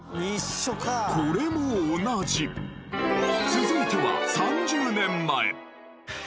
続いては３０年前。